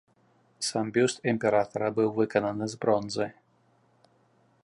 Сам бюст імператара быў выкананы з бронзы.